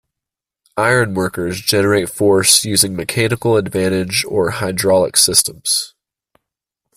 Ironworkers generate force using mechanical advantage or hydraulic systems.